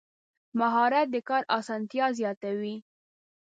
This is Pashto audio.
مهارت د کار اسانتیا زیاتوي.